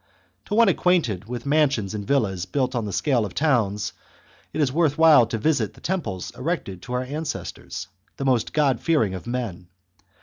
To one acquainted with mansions and villas built on the scale of towns, it is worth while to visit the temples erected by our ancestors, the most god fearing of men.